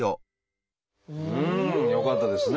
うん！よかったですね。